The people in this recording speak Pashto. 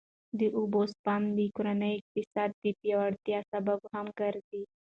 د اوبو سپما د کورني اقتصاد د پیاوړتیا سبب هم ګرځي.